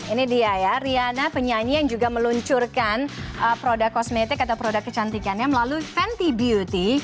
ini dia ya riana penyanyi yang juga meluncurkan produk kosmetik atau produk kecantikannya melalui fenty beauty